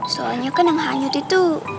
soalnya kan yang hanyut itu